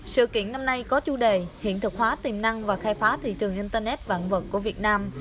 sự kiện năm nay có chủ đề hiện thực hóa tiềm năng và khai phá thị trường internet vạn vật của việt nam